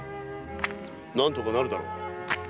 何とかなるだろう。